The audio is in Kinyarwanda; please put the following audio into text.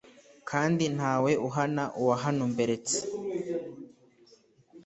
kandi ntawe uhana uwahanumberstse!